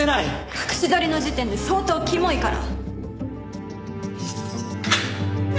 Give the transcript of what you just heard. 隠し撮りの時点で相当キモいから。